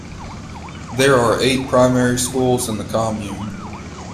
There are eight primary schools in the commune.